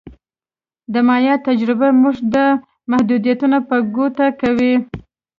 د مایا تجربه موږ ته محدودیتونه په ګوته کوي